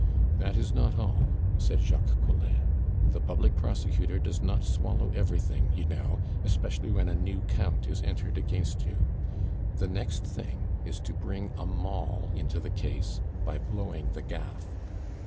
"That is not all," said Jacques Collin; "the public prosecutor does not swallow everything, you know, especially when a new count is entered against you. The next thing is to bring a moll into the case by blowing the gaff."